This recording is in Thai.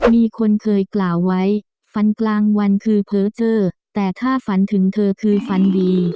มีคนเคยกล่าวไว้ฟันกลางวันคือเผลอเจอแต่ถ้าฝันถึงเธอคือฝันดี